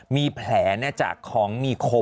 มีแผลจากของ